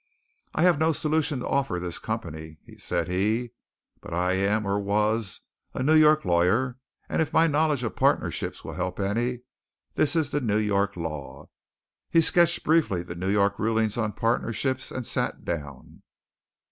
"I have no solution to offer this company," said he, "but I am, or was, a New York lawyer; and if my knowledge of partnerships will help any, this is the New York law." He sketched briefly the New York rulings on partnerships, and sat down.